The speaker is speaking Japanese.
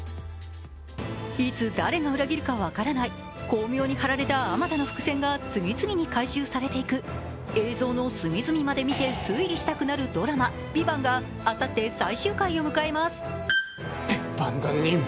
いつ誰が裏切るか分からない、巧妙に張られたあまたの伏線が次々に改修されていく、映像の隅々まで見て推理したくなるドラマ「ＶＩＶＡＮＴ」があさって、最終回を迎えます。